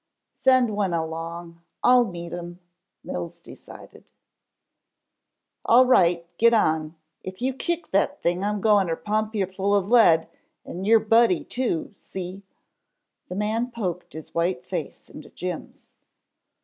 "Send one along. I'll meet him," Mills decided. "All right, get on, if you kick that thing I'm goin' ter pump you full of lead, and your buddy too, see." The man poked his white face into Jim's.